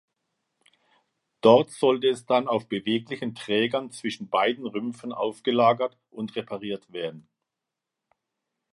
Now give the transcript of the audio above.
Dort sollte es dann auf beweglichen Trägern zwischen beiden Rümpfen aufgelagert und repariert werden.